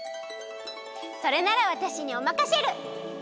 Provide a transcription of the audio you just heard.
それならわたしにおまかシェル！